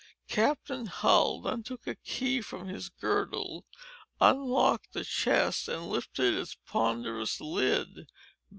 Captain Hull then took a key from his girdle, unlocked the chest, and lifted its ponderous lid.